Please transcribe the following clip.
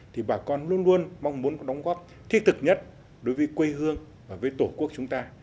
thì bà con luôn luôn mong muốn có đóng góp thiết thực nhất đối với quê hương và với tổ quốc chúng ta